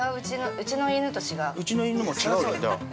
◆うちの犬も違うよ。